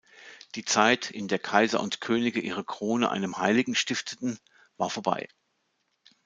Die Zeit, in der Kaiser und Könige ihre Krone einem Heiligen stifteten, war vorbei.